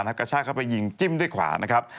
แล้วก็ช่างเข้าไปยิงจิ้มด้วยขวานะครับ